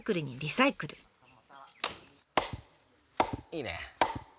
いいね。